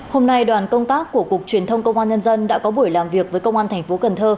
hôm nay đoàn công tác của cục truyền thông công an nhân dân đã có buổi làm việc với công an tp cn